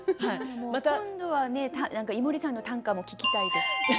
今度はね井森さんの短歌も聞きたいです。